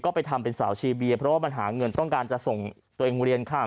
ไปทำเป็นสาวชีเบียเพราะว่ามันหาเงินต้องการจะส่งตัวเองเรียนข้าม